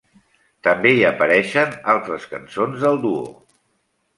També hi apareixen altres cançons del duo.